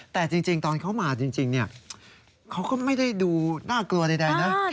แต่จริงตอนเขามาจริงเขาก็ไม่ได้ดูน่ากลัวใดนะ